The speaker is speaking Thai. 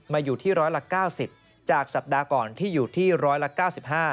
มาอยู่ที่๑๐๐ละ๙๐จากสัปดาห์ก่อนที่อยู่ที่๑๐๐ละ๙๕